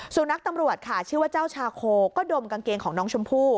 สุนัขตำรวจค่ะชื่อว่าเจ้าชาโคก็ดมกางเกงของน้องชมพู่